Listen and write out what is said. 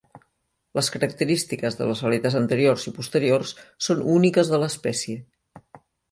Les característiques de les aletes anteriors i posteriors són úniques de l'espècie.